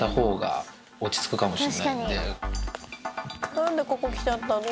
何でここ来ちゃったの？